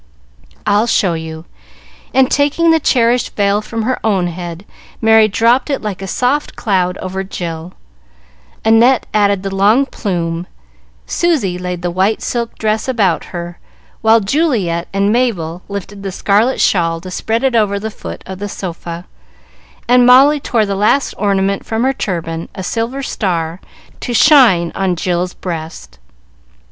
"I'll show you;" and taking the cherished veil from her own head, Merry dropped it like a soft cloud over Jill; Annette added the long plume, Susy laid the white silk dress about her, while Juliet and Mabel lifted the scarlet shawl to spread it over the foot of the sofa, and Molly tore the last ornament from her turban, a silver star, to shine on Jill's breast.